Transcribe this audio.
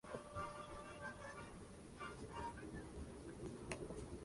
Su pedagogía se basa en la interacción de los estudiantes y su entorno.